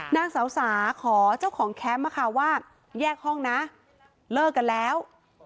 นางสาวสาขอเจ้าของแคมป์ว่าแยกห้องนะเลิกกันแล้ว